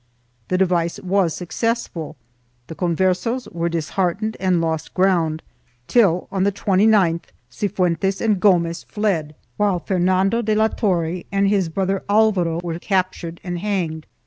The device was successful ; the Con versos were disheartened and lost ground till, on the 29th, Cifuentes and Gomez fled, while Fernando de la Torre and his brother Alvaro were captured and hanged.